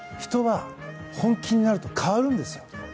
人は本気になると変わるんですよ。